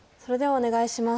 お願いします。